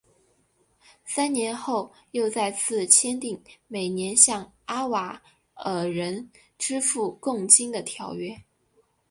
三年后又再次签订每年向阿瓦尔人支付贡金的条约。